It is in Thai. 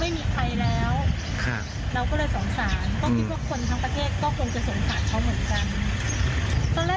ไม่มีใครแล้วเราก็เลยสงสารก็คิดว่าคนทั้งประเทศก็คงจะสงสารเขาเหมือนกันตอนแรก